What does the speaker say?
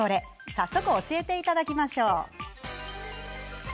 早速、教えていただきましょう。